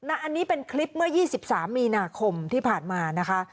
อันนี้เป็นคลิปเมื่อ๒๓มีนาคมที่ผ่านมานะคะ